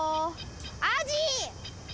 アジ。